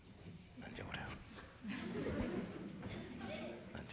何じゃこりゃ。